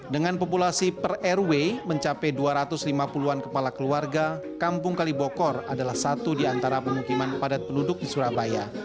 dengan populasi per rw mencapai dua ratus lima puluh an kepala keluarga kampung kalibokor adalah satu di antara pemukiman padat penduduk di surabaya